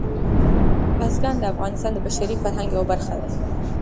بزګان د افغانستان د بشري فرهنګ یوه برخه ده.